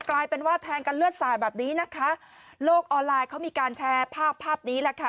กลายเป็นว่าแทงกันเลือดสาดแบบนี้นะคะโลกออนไลน์เขามีการแชร์ภาพภาพนี้แหละค่ะ